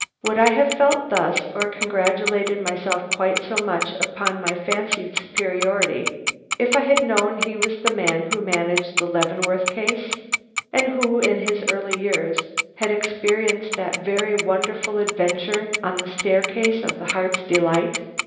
Would I have felt thus or congratulated myself quite so much upon my fancied superiority, if I had known he was the man who managed the Leavenworth case, and who in his early years had experienced that very wonderful adventure on the staircase of the Heart's Delight?